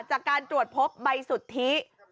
จากการจวดพบไบสุทธิ